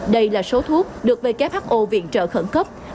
đây là số thuốc được who viện trợ khẩn cấp